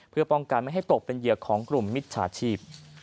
เพื่อป้องกันไม่ให้ตกเป็นเหยียกของกลุ่มมิตรสาธารณี